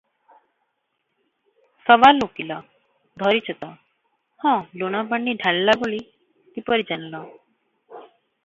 ସୱାଲ ଓକୀଲ - ଧରିଛ ତ, ହଁ - ଲୁଣପାଣି ଢାଳିଲା ବୋଲି କିପରି ଜାଣିଲ?